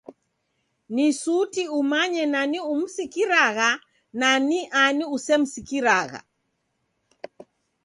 Ni suti umanye nani umsikiragha na ni ani usemsikiragha